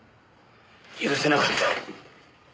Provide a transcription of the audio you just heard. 許せなかった。